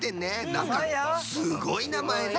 なんかすごいなまえね。